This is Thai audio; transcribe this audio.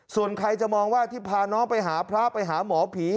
ส่วนใครจะมองว่าที่พาน้องไปหาพระไปหาหมอผี